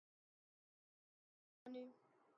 کا شکر بجا لانے